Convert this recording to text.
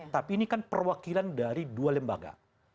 tapi ini kan perwakilan dari dua lembaga